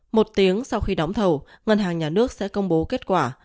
một tiếng sau khi đóng thầu ngân hàng nhà nước sẽ công bố kết quả